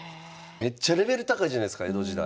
めっちゃレベル高いじゃないすか江戸時代。